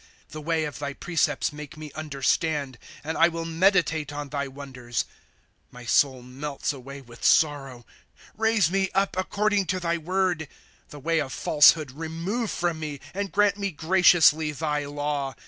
3' The way of thy precepts make me understand ; And I will meditate on thy wonders. 28 My soul melts away with sorrow ; Raise me up, according to thy word. 29 The way of falsehood remove from me, And grant me graciously thy law.